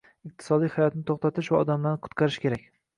Iqtisodiy hayotni to'xtatish va odamlarni qutqarish kerak